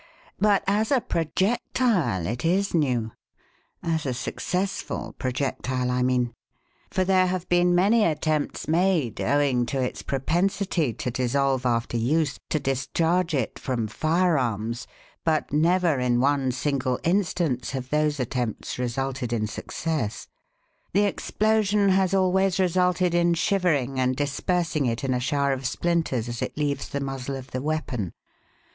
But as a projectile, it is new as a successful projectile, I mean for there have been many attempts made, owing to its propensity to dissolve after use, to discharge it from firearms, but never in one single instance have those attempts resulted in success. The explosion has always resulted in shivering and dispersing it in a shower of splinters as it leaves the muzzle of the weapon.